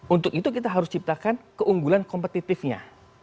untuk itu kita harus ciptakan keunggulan kompetitifnya